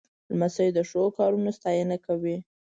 لمسی د ښو کارونو ستاینه کوي.